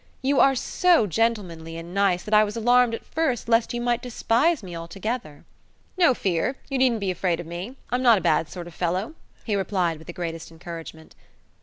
"You are so gentlemanly and nice that I was alarmed at first lest you might despise me altogether." "No fear. You needn't be afraid of me; I'm not a bad sort of fellow," he replied with the greatest encouragement.